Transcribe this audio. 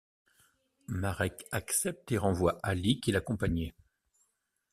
Marec accepte et renvoie Ali qui l'accompagnait.